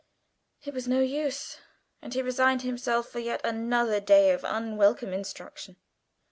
It was no use and he resigned himself for yet another day of unwelcome instruction.